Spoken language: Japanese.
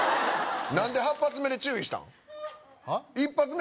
何で８発目で注意したん？